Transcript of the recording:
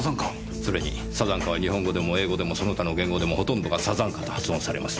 それにサザンカは日本語でも英語でもその他の言語でもほとんどがサザンカと発音されます。